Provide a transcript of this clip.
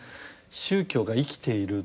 宗教が生きているって。